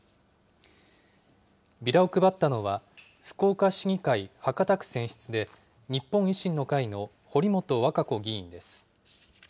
ビラを配ったのは、福岡市議会博多区選出で、日本維新の会の堀本和歌子議員です。